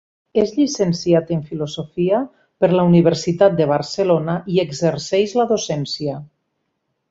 És llicenciat en filosofia per la Universitat de Barcelona i exerceix la docència.